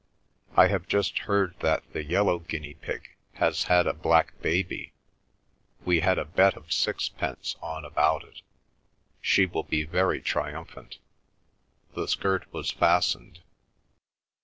I have just heard that the yellow guinea pig has had a black baby. We had a bet of sixpence on about it. She will be very triumphant." The skirt was fastened.